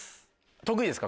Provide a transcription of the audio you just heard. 得意ですか？